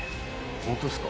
ホントっすか？